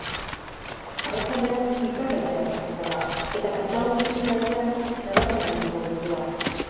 Arratsaldean ipar haizea sartuko da eta kantauri isurialdean nabarmen arinduko du beroa.